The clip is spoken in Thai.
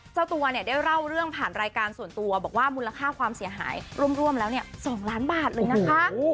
เจ้าตัวเนี่ยได้เล่าเรื่องผ่านรายการส่วนตัวบอกว่ามูลค่าความเสียหายร่วมแล้ว๒ล้านบาทเลยนะคะ